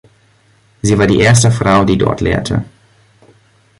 Sie war die erste Frau, die dort lehrte.